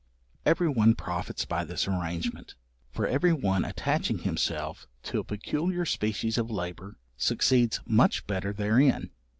Every one profits by this arrangement, for every one attaching himself to a peculiar species of labour, succeeds much better therein.